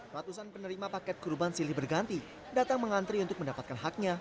ratusan penerima paket kurban silih berganti datang mengantri untuk mendapatkan haknya